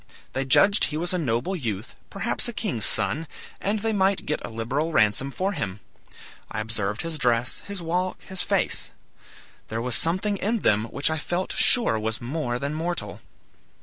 They judged he was a noble youth, perhaps a king's son, and they might get a liberal ransom for him. I observed his dress, his walk, his face. There was something in them which I felt sure was more than mortal.